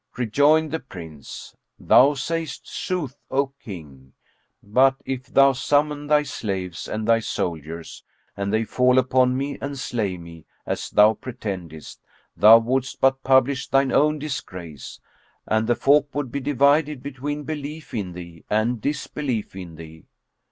Rejoined the Prince, "Thou sayest sooth, O King, but if thou summon thy slaves and thy soldiers and they fall upon me and slay me, as thou pretendest, thou wouldst but publish thine own disgrace, and the folk would be divided between belief in thee and disbelief in thee.